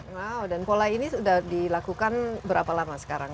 wow dan pola ini sudah dilakukan berapa lama sekarang